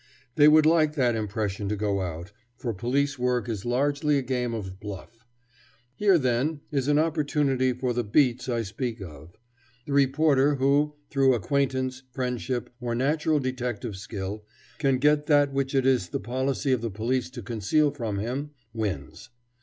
They would like that impression to go out, for police work is largely a game of bluff. Here, then, is an opportunity for the "beats" I speak of. The reporter who, through acquaintance, friendship, or natural detective skill, can get that which it is the policy of the police to conceal from him, wins.